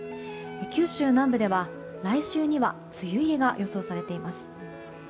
九州南部では来週には梅雨入りが予想されています。